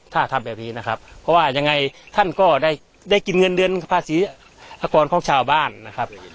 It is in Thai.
ถ้าทำแบบนี้นะครับเพราะว่ายังไงท่านก็ได้ได้กินเงินเดือนภาษีอากรของชาวบ้านนะครับ